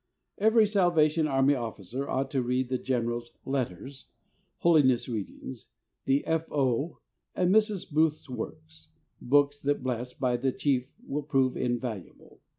Every Salvation Army officer ought to read the General's "Letters/' "Holiness Readings," the "F. O.," and Mrs. Booth's STUDIES OF THE SOUL WINNER. 65 works. "Books that Bless," by the Chief, will prove invaluable.